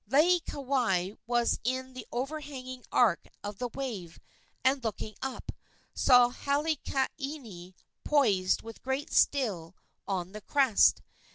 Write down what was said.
Laieikawai was in the overhanging arch of the wave, and, looking up, saw Halaaniani poised with great skill on the crest.